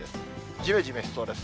じめじめしそうです。